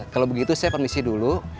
kalau begitu saya permisi dulu